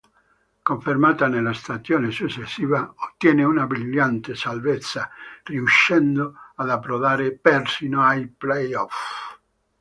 Confermata nella stagione successiva, ottiene una brillante salvezza, riuscendo ad approdare persino ai play-off.